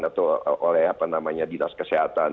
atau oleh apa namanya dinas kesehatan